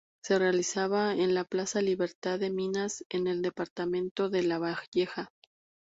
Se realizaba en la Plaza Libertad de Minas en el departamento de Lavalleja.